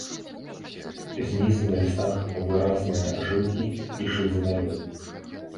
Знізу на лістах выразныя жылкі і шызы налёт.